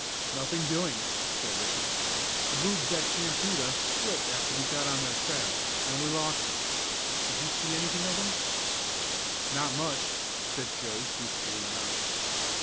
"Nothing doing," said Ricky. "The boobs that shampooed us split after we got on their trail, and we lost 'em. Did you see anything of 'em?" "Not much," said Joe, truthfully enough.